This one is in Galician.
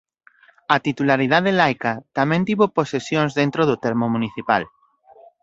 A titularidade laica tamén tivo posesións dentro do termo municipal.